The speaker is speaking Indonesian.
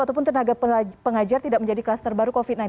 ataupun tenaga pengajar tidak menjadi kluster baru covid sembilan belas